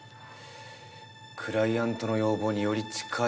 クライアントの要望により近いのは。